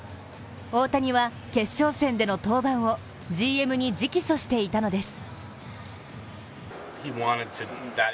大谷は決勝戦での登板をＧＭに直訴していたのです。